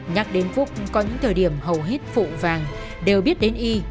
nhắc đến phúc có những thời điểm hầu hết phụ vàng đều biết đến y